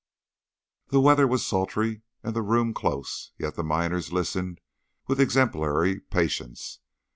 The weather was sultry and the room close, yet the miners listened with exemplary patience.